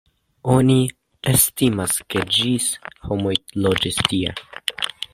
Oni estimas, ke ĝis homoj loĝis tie.